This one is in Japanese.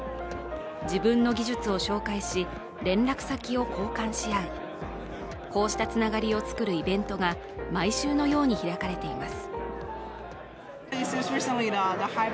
自分の技術を紹介し、連絡先を交換し合い、こうした繋がりを作るイベントが毎週のように開かれています。